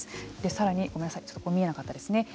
さらにごめんなさい見えなかったですよね。